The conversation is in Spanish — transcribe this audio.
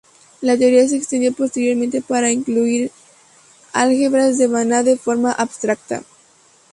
La teoría se extendió posteriormente para incluir álgebras de Banach de forma abstracta.